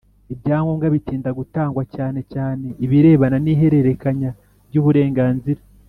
Ibyangombwa bitinda gutangwa cyane cyane ibirebana n ihererekanya ry uburenganzira